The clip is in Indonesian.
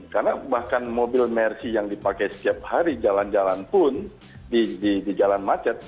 karena bahkan mobil mercedes yang dipakai setiap hari jalan jalan pun di jalan macet